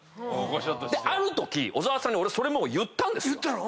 であるとき小沢さんに俺それ言ったんですよ。